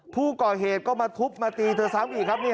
ผู้ก่อเหตุก็มาทุบมาตีเธอซ้ำอีกครับ